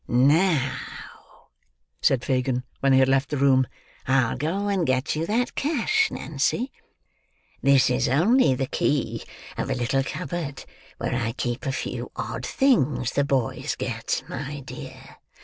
"Now," said Fagin, when they had left the room, "I'll go and get you that cash, Nancy. This is only the key of a little cupboard where I keep a few odd things the boys get, my dear.